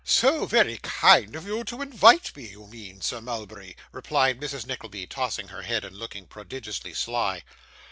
'So very kind of you to invite me, you mean, Sir Mulberry,' replied Mrs Nickleby, tossing her head, and looking prodigiously sly.